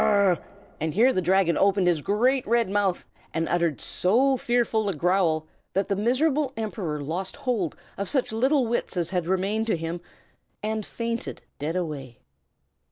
and here the Dragon opened his great red mouth, and uttered so fearful a growl that the miserable Emperor lost hold of such little wits as had remained to him, and fainted dead away.